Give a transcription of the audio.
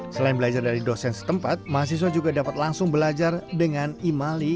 selain belajar dari dosen setempat mahasiswa juga dapat langsung belajar dengan imali